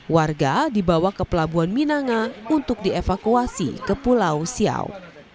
warga dibawa ke pelabuhan minanga untuk dievakuasi ke pulau siau